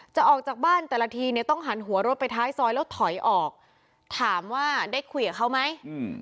ออกจากบ้านแต่ละทีเนี่ยต้องหันหัวรถไปท้ายซอยแล้วถอยออกถามว่าได้คุยกับเขาไหมอืม